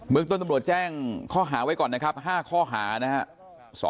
เมืองต้นตำรวจแจ้งข้อหาไว้ก่อนนะครับ๕ข้อหานะครับ